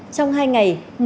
trong hai ngày